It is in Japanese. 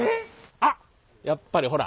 あっやっぱりほら。